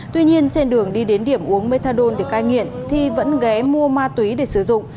tuy nhiên trên đường đi đến điểm uống methadone để cai nghiện thi vẫn ghé mua ma túy để sử dụng